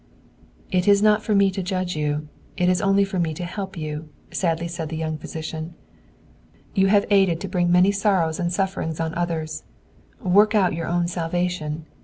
"It is not for me to judge you; it is only for me to help you!" sadly said the young physician. "You have aided to bring many sorrows and sufferings on others! Work out your own salvation!